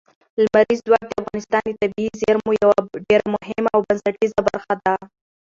لمریز ځواک د افغانستان د طبیعي زیرمو یوه ډېره مهمه او بنسټیزه برخه ده.